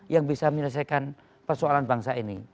yang bisa menyelesaikan persoalan bangsa ini